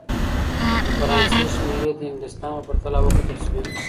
د فرانسې شمېرې د انګلستان په پرتله وکتل سوې.